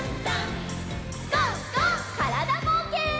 からだぼうけん。